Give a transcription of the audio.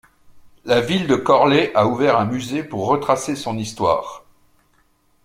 La ville de Corlay a ouvert un musée pour retracer son histoire.